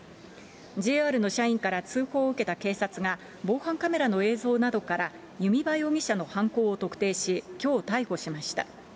ＪＲの社員から通報を受けた警察が防犯カメラの映像などから弓場容疑者の犯行を特定し、きょう逮捕しました。